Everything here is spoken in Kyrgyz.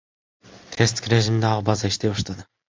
Тесттик режимде ал база иштей баштады.